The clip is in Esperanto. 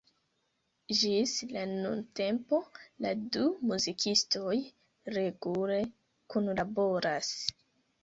Ĝis la nuntempo la du muzikistoj regule kunlaboras.